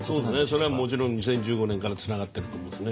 それはもちろん２０１５年からつながってると思うんですね。